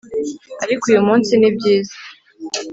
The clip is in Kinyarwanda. ariko uyu munsi ni byiza